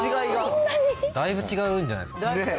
だいぶ違うんじゃないですか。